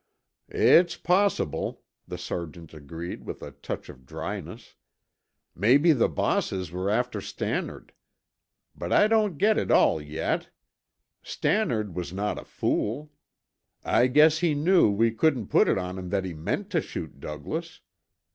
"It's possible," the sergeant agreed with a touch of dryness. "Maybe the bosses were after Stannard. But I don't get it all yet. Stannard was not a fool. I guess he knew we couldn't put it on him that he meant to shoot Douglas.